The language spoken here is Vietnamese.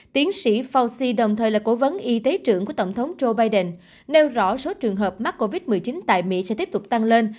tiến sĩ fauci đồng thời là cố vấn y tế trưởng của tổng thống joe biden nêu rõ số trường hợp mắc covid một mươi chín tại mỹ sẽ tiếp tục tăng lên